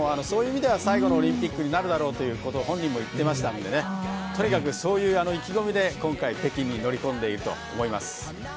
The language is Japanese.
そういう意味では最後のオリンピックになるだろうと本人も言っていましたのでとにかくそういう意気込みで今回、北京に乗り込んでいると思います。